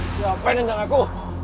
siapa yang nendang aku